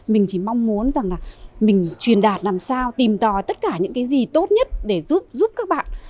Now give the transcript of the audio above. mình chỉ mong muốn rằng là mình truyền đạt làm sao tìm tòi tất cả những cái gì tốt nhất để giúp các bạn